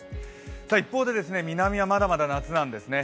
一方で、南はまだまだ夏なんですね。